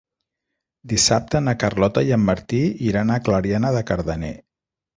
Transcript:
Dissabte na Carlota i en Martí iran a Clariana de Cardener.